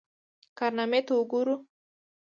کارنامې ته وګورو.